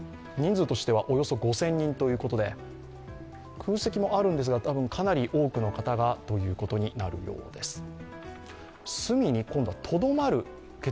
人数としてはおよそ５０００人ということで空席もあるんですが、たぶんかなりの多くの方がということになるようです。